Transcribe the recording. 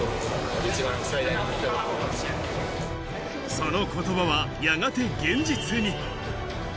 その言葉がやがて現実に。